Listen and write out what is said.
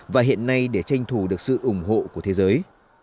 và hiện nay để tranh thủ được sự ủng hộ của thế giới